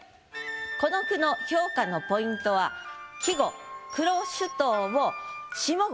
この句の評価のポイントは季語「黒手套」を下五